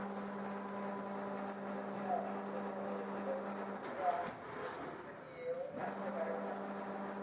এছাড়া এখানে অধিবাসীরা বেশি কিছু নিয়েও আসতে পারে না।